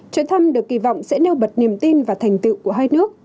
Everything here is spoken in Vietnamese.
chuyến thăm được kỳ vọng sẽ nêu bật niềm tin và thành tựu của hai nước